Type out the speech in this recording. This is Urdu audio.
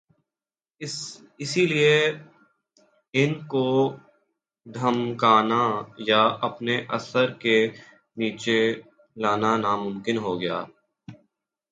اسی لئے ان کو دھمکانا یا اپنے اثر کے نیچے لانا ناممکن ہو گیا۔